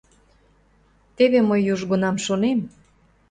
Теве мый южгунам шонем...